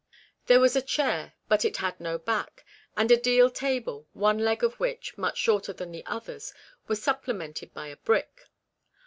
There was a chair, but it had no back, and a deal table, one leg of which, mucla shorter than the others, was supplemented by a brick.